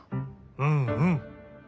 うんうん。